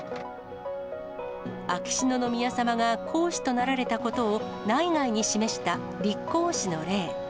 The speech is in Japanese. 秋篠宮さまが皇嗣となられたことを内外に示した立皇嗣の礼。